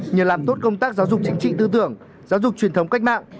nhờ làm tốt công tác giáo dục chính trị tư tưởng giáo dục truyền thống cách mạng